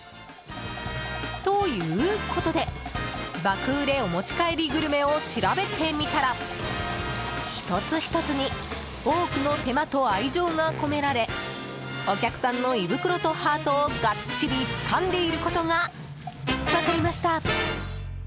ということで爆売れお持ち帰りグルメを調べてみたら１つ１つに多くの手間と愛情が込められお客さんの胃袋とハートをがっちりつかんでいることが分かりました。